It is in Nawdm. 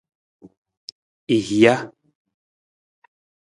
I hija.